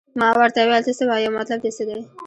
ما ورته وویل ته څه وایې او مطلب دې څه دی.